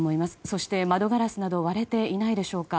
そして窓ガラスなど割れていないでしょうか。